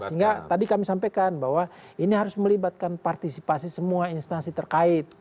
sehingga tadi kami sampaikan bahwa ini harus melibatkan partisipasi semua instansi terkait